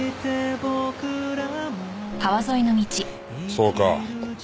そうか。